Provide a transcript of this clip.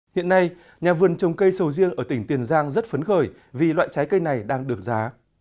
hiện nay nhà vườn trồng cây sầu riêng ở tỉnh tiền giang rất phấn khởi vì loại trái cây này đang được giá